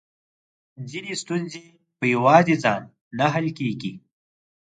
ځينې ستونزې په يواځې ځان نه حل کېږي .